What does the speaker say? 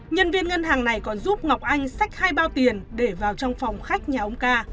nhân viên ngân hàng này còn giúp ngọc anh sách hai bao tiền để vào trong phòng khách nhà ông ca